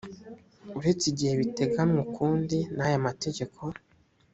uretse igihe biteganywa ukundi n aya mategeko